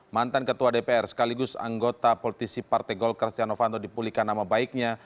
mantan ketua dpr sekaligus anggota politisi partai golkar stiano fanto dipulihkan nama baiknya